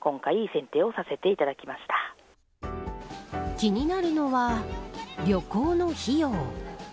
気になるのは旅行の費用。